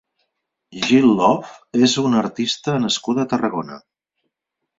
Jil Love és una artista nascuda a Tarragona.